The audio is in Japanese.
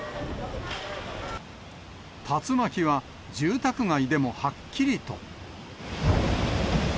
竜巻は、住宅街でもはっきりと。